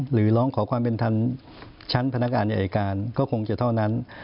หรือร้องขอความเป็นธรรมชั้นพนักงานอายการก็คงจะเท่านั้น